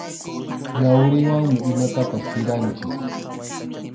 Yawriwanmi imatapas siranchik.